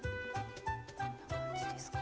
こんな感じですか？